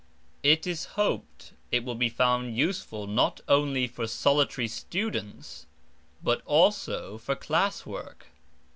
It is hoped it will be found useful not only for solitary students, but also for class work.